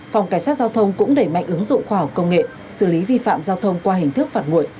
phòng cảnh sát giao thông cũng đẩy mạnh ứng dụng khoa học công nghệ xử lý vi phạm giao thông qua hình thức phạt nguội